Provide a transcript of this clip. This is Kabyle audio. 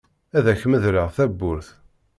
Ad ak-medleɣ tawwurt.